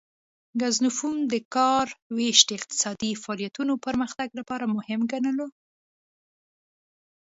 ګزنفون د کار ویش د اقتصادي فعالیتونو پرمختګ لپاره مهم ګڼلو